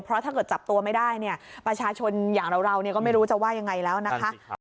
เพราะถ้าเกิดจับตัวไม่ได้เนี่ยประชาชนอย่างเราก็ไม่รู้จะว่ายังไงแล้วนะคะ